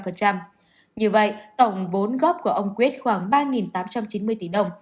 như vậy tổng vốn góp của ông quyết khoảng ba tám trăm chín mươi tỷ đồng